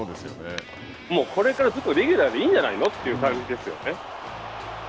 もうこれからずっとレギュラーでいいんじゃないの？という感じですよね。